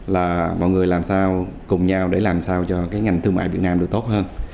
là mọi người làm sao cùng nhau để làm sao cho cái ngành thương mại việt nam được tốt hơn